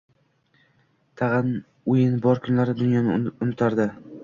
Tag`in o`yin bor kunlari dunyoni unutardi